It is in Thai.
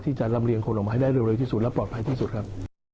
จะลำเลียงคนออกมาให้ได้เร็วที่สุดและปลอดภัยที่สุดครับ